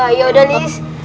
ya yaudah lilis